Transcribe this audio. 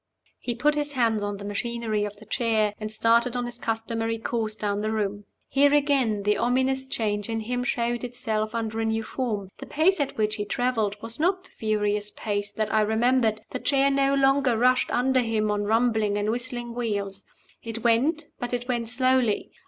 He put his hands on the machinery of the chair, and started on his customary course down the room. Here again the ominous change in him showed itself under a new form. The pace at which he traveled was not the furious pace that I remembered; the chair no longer rushed under him on rumbling and whistling wheels. It went, but it went slowly.